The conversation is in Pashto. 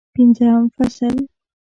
پنځم فصل